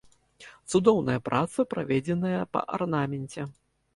Цудоўная праца, праведзеная па арнаменце.